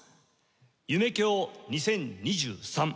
夢響２０２３